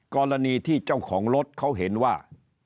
กรณีที่เจ้าของรถเขาเห็นว่า